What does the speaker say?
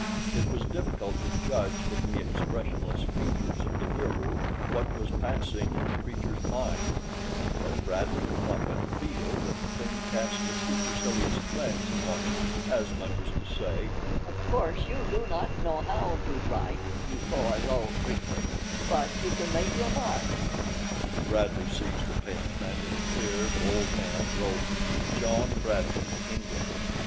It was difficult to judge from the expressionless features of the Wieroo what was passing in the creature's mind, but Bradley could not but feel that the thing cast a supercilious glance upon him as much as to say, "Of course you do not know how to write, you poor, low creature; but you can make your mark." Bradley seized the pen and in a clear, bold hand wrote: "John Bradley, England."